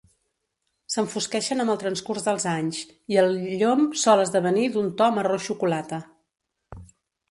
S'enfosqueixen amb el transcurs dels anys, i el llom sol esdevenir d'un to marró xocolata.